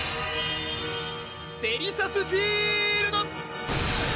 デリシャスフィールド！